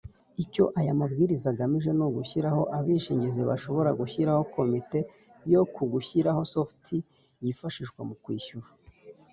Icyo aya Mabwiriza agamije ni ugushyiraho Abishingizi bashobora gushyiraho Komite yo ku Gushyiraho software yifashishwa mu kwishyura